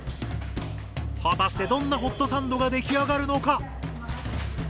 果たしてどんなホットサンドが出来上がるのか？